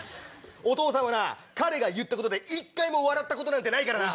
お父さんはな彼が言ったことで１回も笑ったことないからな。